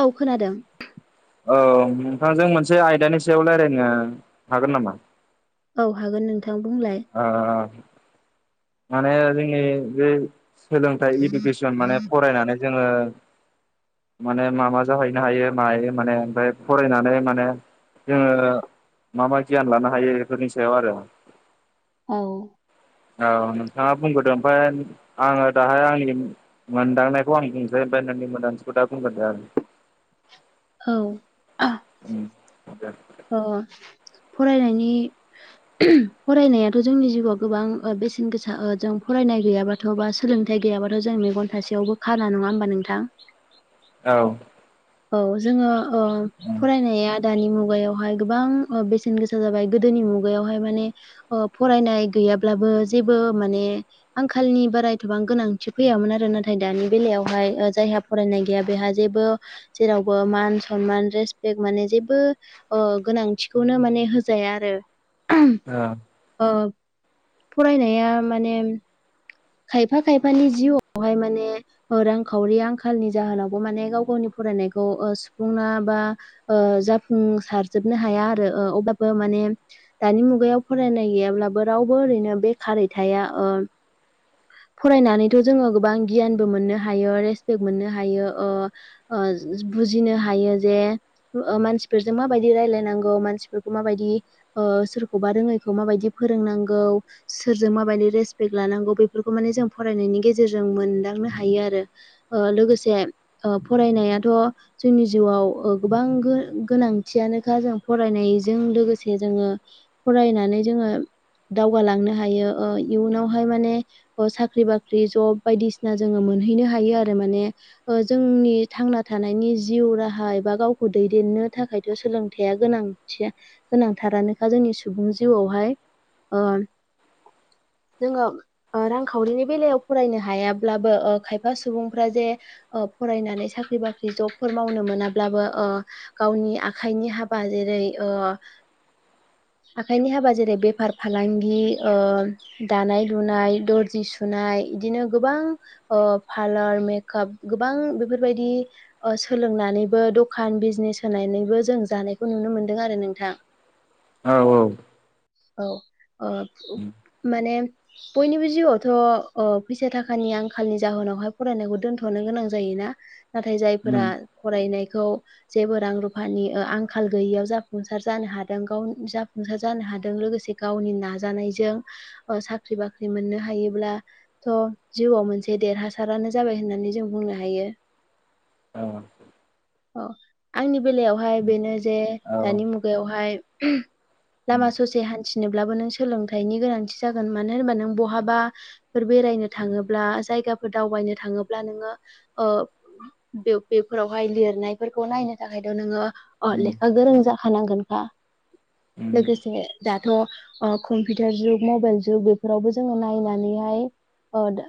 औ खोनादों। औ नोंथांजों मोनसे आयदानि सायाव लायरायनो हागोन नामा? औ हागोन नोंथां बुंलाय ओ माने जोंनि बे सोलोंथाइ इडुकेसन माने फरायनानै जोङो माने मा मा जाहैनो हायो मायो माने ओमफ्राय फरायनानै माने जोङो मा मा गियान लानो हायो बेफोरनि सायाव आरो। औ। औ नोंथाङा बुंबोदों ओमफ्राय आङो दाहाय आंनि मोनदांनायखौ आं बुंसै ओमबा नोंनि मोनदांथिखौ दा बुंगोन आरो औ उम औ फरायनायनि फरायनायाथ' जोंनि जिउआव गोबां बेसेन ओ गोसा जों फराय- नाय गैयाबाथ' बा सोलोंथाइ गैयाबाथ' जों मेगन थासेयावबो खाना नङा होमबा नोंथां औ औ जोङो औ उम फरायनाया दानि मुगायावहाय गोबां ओ बेसेन गोसा जाबाय गोदोनि मुगायावहाय माने ओ फरायनाय गै- याब्लाबो जेबो माने आंखालनि बारायथ' गोनांथि फैयामोन आरो ना दानि बेलायाव- हाय जायहा फरायनाय गैया बेहा जेबो जेरावबो मान सनमान रेसपेक्ट माने जेबो अ गोनांथिखौनो माने होजाया आरो औ अ फरायनाया माने खायफा-खायफानि जिउआवहाय माने रांखावरि आंखालनि जाहोनावबो माने गाव गावनि फरायनायखौ ओ सुफुंना बा ओ जाफुंसारजोबनो हाया आरो ओ अब्लाबो माने दानि मुगायाव फरायनाय गैयाब्लाबो रावबो ओरैनो बेखारै थाया ओ [inaudible] फरायनानैथ' जोङो गोबां गियानबो मोननो हायो रेसपेक्ट मोननो हायो ओ बुजिनो हायो जे ओ मानसिफोरजों माबायदि रायलायनांगौ मानसिफोरखौ माबायदि ओ सोरखौबा रोङैखौ मायदि फोरोंनांगौ सोरजों माबायदि रेेसपेक लानांगौ बेफोरखौ माने जों फनायनि गेजेरजों मोनदांनो हायो आरो ओ लोगोसे ओ फराय- नायाथ' जोंनि जिउआव ओ गोबां गो-गोनांथियानोखा जों फरायनायजों लोगो- से जोङो फरायनानै जोङो दावगालांनो हायो ओ इयुनावहाय माने अ साख्रि बाख्रि जब बायदिसिना जोङो मोनहैनो हायो आरो माने ओ जोंनि थां- ना थानायनि जिउ राहा एबा गावखौ दैदेननो थाखायथ' सोलोंथाइया गोनांथिया गोनां- थारानोखा जोंनि सुबुं जिउआवहाय ओ जोङो ओ रांखावरिनि बेलायाव फरायनो हायाब्लाबो ओ खायफा सुबुंफ्रा जे ओ फरायनानै सा- ख्रि बाख्रि जबफोर मावनो मोनाब्लाबो ओ गावनि आखाइनि हाबा जेरै- ओ [inaudible] आखाइनि हाबा जेरै बेफार-फालांगि ओ दानाय लुनाय दर्जि सुनाय इदिनो गोबां ओ फालार मेकअप गोबां बेफोरबायदि ओ सोलोंनानैबो दखान बिजनेस होनानैबो जों जानायखौ नुनो मोनदों आरो नोंथां औ-औ औ ओ माने बयनिबो जिउआवथ' ओ फैसा थाखानि आंखालनि जाहोनावहाय फरायनायखौ दोनथ'नो गोनां जायोना नाथाय औ जायफोरा उम फरायनाय खौ जेबो रां रुफानि ओ आंखाल गैयैयाव जाफुंसार जानो हादों गावनो जाफुंसार जानो हा दों लोगोसे गावनि नाजानायजों ओ साख्रि बाख्रि मोननो हायोब्ला थ' जिउआव मोनसे देरहासारानो जाबाय होननानै जों बुंनो हायो औ अ आंनि बेलायावहाय बेनो जे औ दानि मुगायावहाय लामा उम ससे हान्थिनोब्लाबो नों सोलोंथाइनि गोनांथि जागोन मानो होनोबा नों बहा बा फोर बेरायनो थाङोब्ला जायगाफोर दावबायनो थाङोब्ला नोङो ओ बेव बेफोरावहाय लिरनायफोरखौ नायनो थाखायथ' नोङो अ उम लेखा गोरों जाखानांगोनखा उम लोगोसे दाथ' कम्पिउटार जुग मबाइल जुग बेफोरावबो जोङो नायनानैहाय ओ द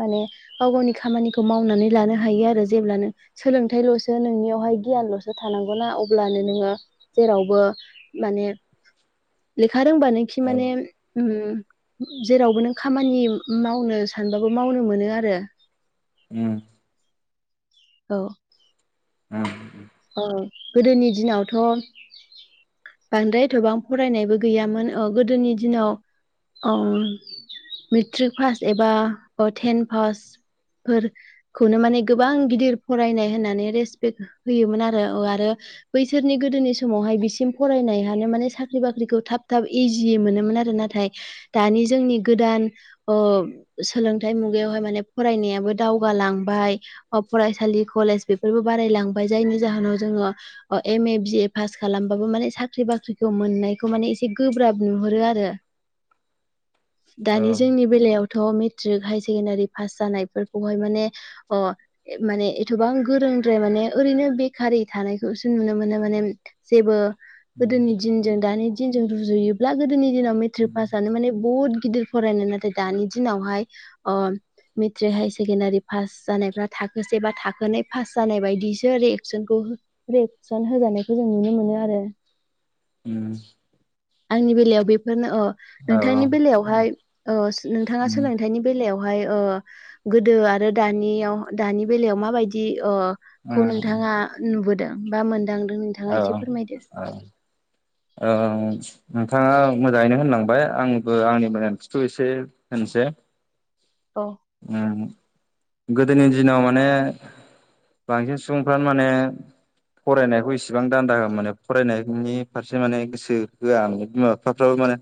माने गाव-गावनि खामानिखौ मावनानै लानो हायो आरो जेब्लानो सोलोंथाइ ल खौसो नोंनियावहाय गियानल'सो थानांगौनाा अब्लानो नोङो जेरावबो माने लेखा रोंबानोखि ओ माने उम जेरावबो नों खामानि मावनो सानबाबो मावनो मोनो आरो उम औ उम औ गोदोनि दिनावथ' बांद्राय एथ'बां फरायनायबो गैयामोन ओ गोदोनि दिनाव अ मेट्रिक फास एबा ओ थेन फास फोर खौनो माने गोबां गिदिर फरायनाय होननानै रेसपेक्ट होयोमोन आरो औ आरो बैसोरनि गोदोनि समावहाय बिसिम फरायनाय हानो माने साख्रि बाख्रिखौ थाब थाब एजियै मोनोमोन आरो नाथाय दानि जोंनि गोदान ओ सोलोंथाइ मुगायावहाय माने फरायनायो दावगालांबाय ओ फरायसालि कलेज बेफोरबो बारालां बाय जायनि जाहोनाव जोङो ओ एम ए बि ए फास खालामबाबो माने साख्रि बाख्रिखौ मोननायखौ माने एसे गोब्राब नुहरो आरो [unintelligible] दानि जोंनि बेलायाव थ' मेट्रिक हायसेकेणडारि फास जानायफोरखौहाय माने अमाने एथ'बां गोरों द्राय माने ओरैनो बेखारै थानायखौसो नुनो मोनो माने जेबो गोदोनि दिनजों दानि दिनजों रुजुयोब्ला गोदोनि दिनाव मेट्रिक पासआनो माने बुहुत गिदिर फरायनाय नाथाय दानि दिनावहाय ओ मेट्रिक हायसेकेणदारि फास जा नायफ्रा थाखोसे बा थाखोनै पास जानाय बायदि सो रिएकसनखौ रिएकसन होजानायखौ जों नुनो मोनो आरो आंनि बेलायाव बेफोरनो ओ नोंथांनि बेलायावहाय ओस नोंथाङा सोलोंथाइनि बेलायाव हाय ओ गोदो आरो दानियाव दानि बेलायाव माबायदि ओ खौ नोंथाङा नुबोदों बा मोनदांदों नोंथाङा एसे फोरमायदो ओ नोंथाङा मोजाङैनो होनलांबाय आंबो आंनि मिनदांथिखौ एसे होनोसै औ उम गोदोनि दिनाव माने बांसिन सुबुंफ्रानो माने फरायनायखौ इसिबां दान्दा होआ माने फरायनायनि फारसे माने गोसो होआ बिमा बिफाफ्राबो माने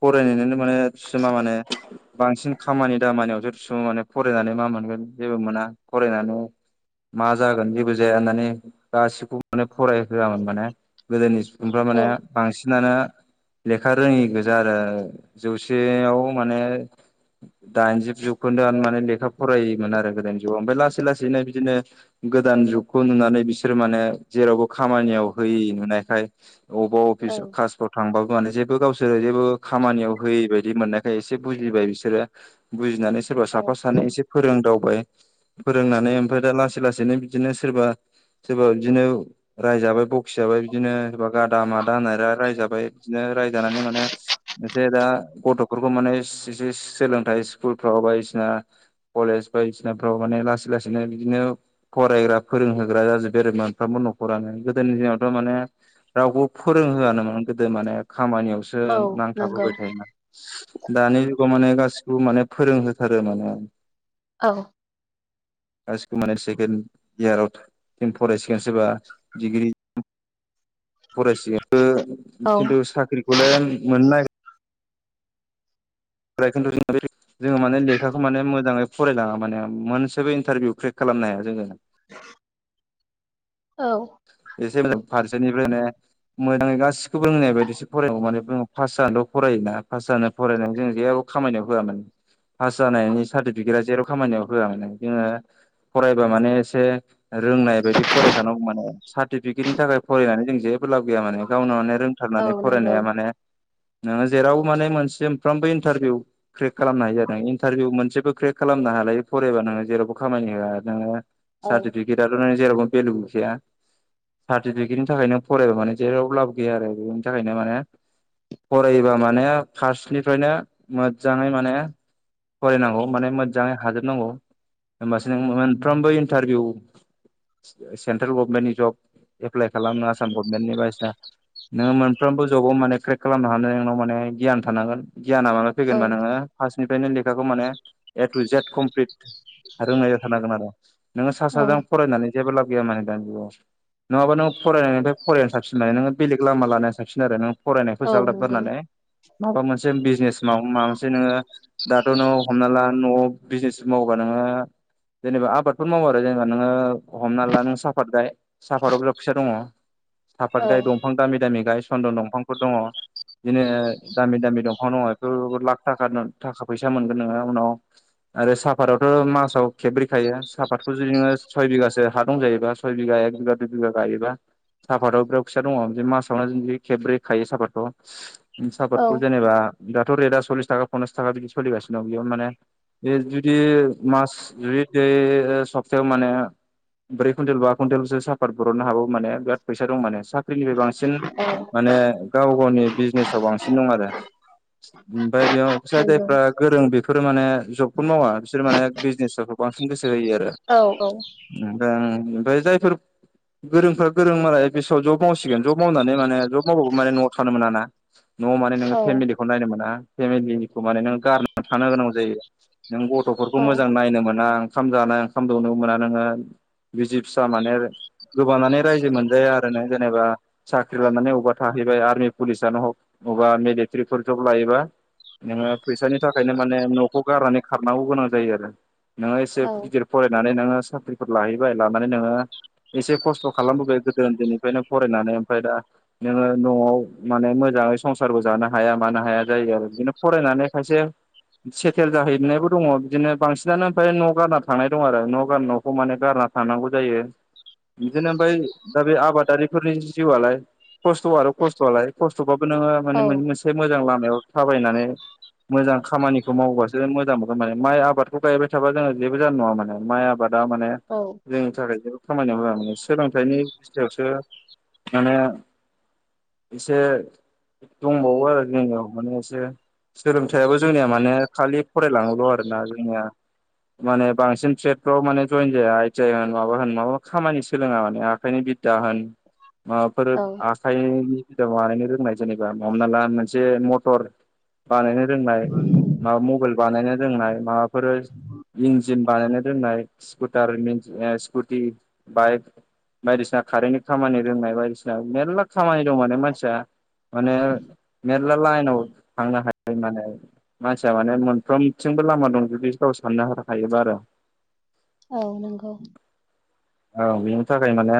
फरायनायनोनो माने थिस'ना माने बांसिन खामानि दामानियावसो थिस'नो माने फरायनानै मा मोन गोन जेबो मोना फरायनानै मा जागोन जेबो जाया होननानै गासिखौबो माने फरायहोआमोन माने गोदोनि ओमफ्राय औ माने बांसिनानो लेखा रोङि गोजा आरो जौसेयाव माने दाइनजिब जौखोन्दोआनो माने लेखा फरायिमोन आरो गोदोनि जुगाव ओमफ्राय लासै लासैनो बिदिनो गो गोदान जुगखौ नुनानै बिसोर माने जेरावबो खामानियाव होयि नुनायखाय अबाव अफिस औ कासफोराव थांबा बानो जेबो गावसोरो जेबो खामानियाव होयै बायदि मोननायखाय एसे बुजिबाय बिसोरो बुजिनानै सोरबा औ साफा सानै एसे फोरोंदाव बाय फोरोंनानै ओमफ्राय दा लासै लासैनो बिदिनो सोरबा सोरबा बिदिनो रायजाबाय बखि जाबाय बिदिनो गादा मादा होनना रा-रायजाबाय बिदिनो रायजानानै माने एसे दा गथ'फोरखौ माने सिजेस सोलोंथाइ स्कुलफ्राव बायदिसिना कलेज बायदिसिनाफ्राव माने लासै लासैनो बिदिनो नो फरायग्रा फोरोंहोग्रा जाजोबबाय आरो मोनफ्रोमबो न'खरानो गोदोनि दिनावथ' माने रावखौ फोरोंहोआनोमोन गोदो माने खामानियावसो औ नांथाब नंगौ होबाय थायोमोन दानि जुगाव माने गासिखौबो माने फोरोंहोथारो माने। औ गासिखौबो माने सेकेण्ड इयाराव [unintelligible] फरायसिगोन सोरबा डिग्रि फरायसि [unintelligible] औ खिन्थु साख्रिखौलाय मोननो ना [unintelligible] जोङो माने लेखाखौ माने मोजाङै फरायलाङा माने मोनसेबो इन्टारभिउ क्रेक खालाम नाया जोङो [unintelligible] औ । जोंङो फारसेनिफ्रायनो मोजाङै गासिखौबो रोंनाय बायदिसो फराय नांगौ माने पास जानल' फरायो ना पास जानो फरायनानै जों जेबो खामानियाव होआ माने पास जानायनि सार्टिफिकेटआ जेराव खामानियाव होआमाने जोङो फरायबा माने एसे रोंनाय बायदि फरायखानांगौ माने। सार्टिफिकेटनि थाखाय फरायनानै जों जे बो लाब गैया माने गावनो माने औ रोंथारनानै नंगौ फरायनाया माने नोङो जेरावबो माने मोनसे मोनफ्रामबो इन्टारभिउ क्रेक खालामनो हायो इन्टारभिउ मोनसेबो क्रेक खालामनो हा हालायि फरायबा नोङो जेरावबो खामानि होआ नोङो औ सार्टिफिकेटआथ' नों जेरावबो भेलु गैखाया। सार्टिफिकेटनि थाखायनो फरायबा माने जेरावबो लाब गैया आरो बेनि थाखायनो माने फरायोबा माने फार्स्टनिफ्रायनो मोदजाङै माने फरायनांगौ माने मोदजाङै हाजोबनांगौ। होमबासो नों मोनफ्रोमबो इन्टारभिउ सेन्ट्रेल गभमेन्टनि जब एप्लाइ खालामनो आसाम गभमेन्टनि बायसिना नोङो मोनफ्रोमबो जबाव माने क्रेक खालामनो हानो नोंनाव माने गियान थानांगोन। गियाना माबा औ फैगोनबा नोङो फास्त निफ्रायनो लेखाखौ माने ए टु जेद कमप्लिट रोंनाय जाथारनांगोन आरो। नोङो सा औ साज्रां फरायनानै जेबो लाब गैया माने दानि जुगाव। नङाबा नोंङो फरायनायनिफ्राय फरायैआनो साबसिन माने नोङो बेलेग लामा लानाया साबसिन आरो नों । फरायनायखौ औ जालदाब नंगौ गारनानै माबा मोनसे बिजनेस माव माबा मोनसे नोङो दाथ' नों हमना ला न'आव बिजनेस मावोबा नोङो ओ जेनेबा आबादफोर मावो आरो जेनेबा नोङो हमना ला नों साफात गाय साफातआव बिराद फैसा दङ साफात औ गाय दंफां दामि दामि गाय सन्दन' दंफांफोर दङ। बिदिनो दामि -दामि दंफां दङ इफोरावबो लाख थाखा थाखा फैसा मोनगोन नोङो उनाव। आरो सापातआवथ' मासाव खेब्रै खायो सापातखौ जुदि नोङो सय बिगासो हा दं जायोबा सय बिघा एक बिगा दुय बिगा गायोबा सापातआव बिराद फिसा दङ मासावनो जों खेब्रै खायो सापातखौ । औ सापातखौ जेनेबा दाथ' रेटआ सल्लिस थाखा पनसास थाखा बिदि सोलिगासिनो दं बेयावनो माने बे जुदि मास जु [unintelligible] सप्तायाव माने ब्रै कुन्तेल बा कुन्तेल सो सा पात बरननो हागौ माने बिराद फैसा दं माने सा पात फोरनिफ्राय बांसिन माने गाव गावनि बिजनेसाव बांसिन दं आरो । ओमफ्राय बेयाव जाय नंगौ जायफ्रा गोरों बेफोरो माने जबखौनो मावा बिसोर माने बिजनेस आ व बांसिन गोसो होयो आरो औ नंगौ ओमफ्राय जायफोर गोरोंफ्रा गोरों मालाय बिसमाव जब मावसिगोन जब मावनानै माने जब मावबाबो माने न'आव थानो मोना ना । न'आव माने नोङो औ फेमिलिखौ नायनांगोनना फेमिलिखौ माने नों गारनानै थानो गोनां जायो । नों गथ'फोरखौ मोजां नायनो मोना । ओंखाम जानाय ओंखाम दौनोबो मोना नोङो बिसि फिसा माने गोबानानै रायजो मोनजाया आरो नों जेनेबा साख्रि लानानै अबेबा थाहैबाय आर्मि पुलिसानो हक अबा मिलेटारिफोरखौबो लायोबा नोङो फैसानि थाखायनो माने न'खौ गारनानै खारनांगौ गोनां जायो आरो । नोङो एसे गिदिर फरायनानै नोङो साख्रिफोर लाहैबाय लानानै नोङो एसे खस्थ' खालामबोबाय गोदो उन्दैनिफ्रायनो फरायनानै ओमफ्राय दा नोङो न'आव माने मोजां संसारबो जानो हाया मानो हाया जायो आरो बिदिनो फरायनानै खायसे सेइतेल जाहैनायबो दङ बिदिनो बांसिनानो ओमफ्राय न' गारना थांनाय दङ आरो न' गार न'खौ माने गारनानै थांनांगौ जायो। बिदिनो ओमफ्राय दा बे आबादारिफोरनि जिउआलाय खस्थ' आरो खस्थ'आलाय खस्थ'बा बो नोङो माने औ मोनसे मोजां लामायाव थाबायनानै मोजां खामानिखौ मावबासो मोजां मोनगोन माने माइ आबादखौ गायबाय थाबा जोङो जेबो जानाय नङा माने माइ आबाद, दा माने औ जोंनि थाखाय जेबो खामानियाव होआ मान सोलोंथाइनि बिस्थायावसो माने, एसे दंबावो आरो जोंनाव माने एसे, सोलोंथाइयाबो जोंनिया माने खालि फरायलाङोल' आरोना जोंनिया माने बांसिन ट्रेतफ्राव माने जयेन जाया आइ टि आइ होन माबा होन माबा खामानि सोलोङा माने आखाइनि बिद्दा होन माबाफोर औ आखाइनि सिदा बानायनो रोंनाय जेनेबा हमना ला मोनसे मथर बानायनो, रोंनाय माबा मबाइल बानायनो रोंनाय माबाफोर लिंक जिम बानायनो दोननाय स्कुटार स्कुटि, बाइक बायदिसिना कारेन्नि खामानि रोंनाय बायदिसिना मेरला खामानि, मानसिया माने मेरला लाइन थांनो हायो। रोंनानै मानसिया माने मोनफ्रोमथिंबो लामा दं, जुदि गाव साननो हाखायोबा आरो [inaudible] औ नंगौ औ बेनि थाखाय माने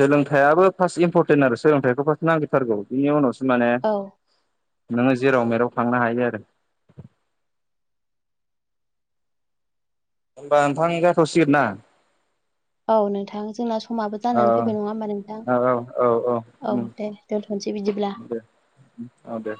सोलोंथाइयाबो फार्स्ट इम्परटेन्ट आरो सोलोंथाइखौ फार्स्टआव नांथारगौ बिनि उनावसो माने, औ नोङो जेराव मेराव थांनो हायो आरो होनबा नोंथां जाथ'सिगोन ना? औ नोंथां जोंना समाबो जानानै औ फैबाय नङा होमबा नोंथां औ औ औ दे दो दोनोसै बिदिब्ला। अ दे